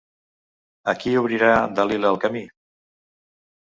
A qui obrirà Dalila el camí?